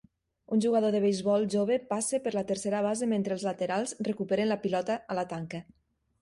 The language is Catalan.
Un jugador de beisbol jove passa per la tercera base mentre els laterals recuperen la pilota a la tanca.